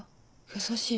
優しい。